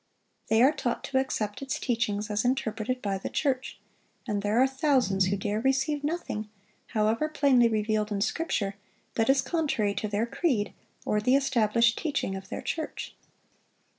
They are taught to accept its teachings as interpreted by the church; and there are thousands who dare receive nothing, however plainly revealed in Scripture, that is contrary to their creed, or the established teaching of their church.